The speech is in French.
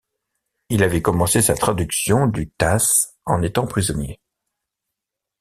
Il avait commencé sa traduction du Tasse en étant prisonnier.